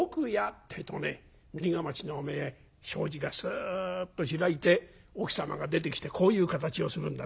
ってえとねねり框の障子がすっと開いて奥様が出てきてこういう形をするんだ。